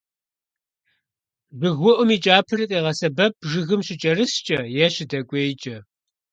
ЖыгыуIум и кIапэри къегъэсэбэп жыгым щыкIэрыскIэ е щыдэкIуейкIэ.